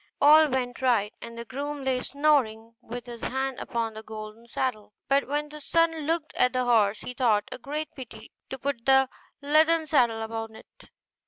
All went right, and the groom lay snoring with his hand upon the golden saddle. But when the son looked at the horse, he thought it a great pity to put the leathern saddle upon it.